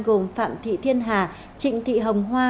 gồm phạm thị thiên hà trịnh thị hồng hoa